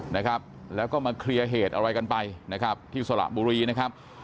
นะครับแล้วก็มาเคลียร์เหตุอะไรกันไปนะครับที่สระบุรีนะครับ